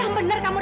aku akan berambah